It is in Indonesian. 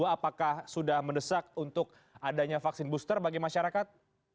apakah sudah mendesak untuk adanya vaksin booster bagi masyarakat